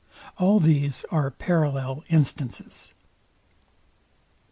All these are parallel instances.